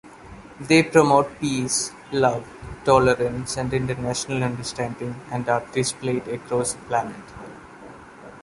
They promote peace, love, tolerance and international understanding and are displayed across the planet.